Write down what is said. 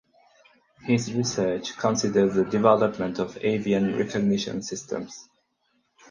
His research considers the development of avian recognition systems.